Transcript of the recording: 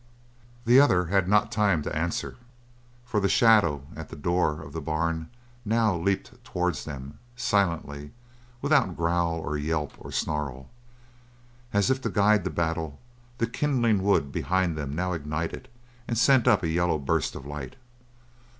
The other had not time to answer, for the shadow at the door of the barn now leaped towards them, silently, without growl or yelp or snarl. As if to guide the battle, the kindling wood behind them now ignited and sent up a yellow burst of light.